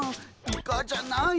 「イカじゃない？」